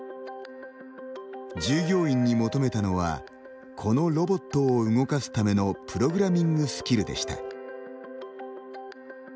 従業員に求めたのはこのロボットを動かすためのプログラミングスキルでした。